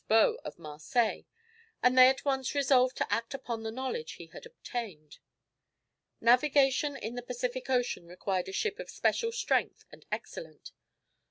Baux of Marseilles, and they at once resolved to act upon the knowledge he had obtained. Navigation in the Pacific Ocean required a ship of special strength and excellence. MM.